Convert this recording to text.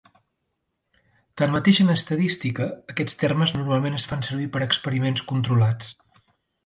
Tanmateix en estadística, aquests termes normalment es fan servir per experiments controlats.